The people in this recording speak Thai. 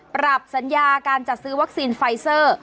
ปรับสัญญาการจัดซื้อวัคซีนไฟเซอร์